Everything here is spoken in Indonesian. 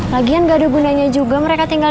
lagian gak ada gunanya juga mereka tinggal